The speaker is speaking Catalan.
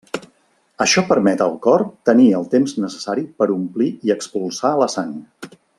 Això permet al cor tenir el temps necessari per omplir i expulsar la sang.